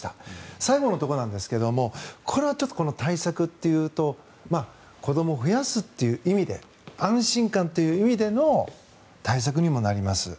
最後のところですがこれは対策というと子どもを増やすという意味で安心感という意味での対策にもなります。